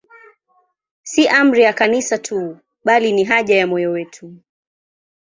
Si amri ya Kanisa tu, bali ni haja ya moyo wetu.